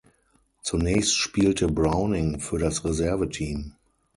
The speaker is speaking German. Zunächst spielte Browning für das Reserveteam.